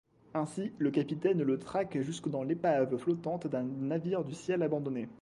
Ainsi, le capitaine le traque jusque dans l’épave flottante d’un navire du ciel abandonné.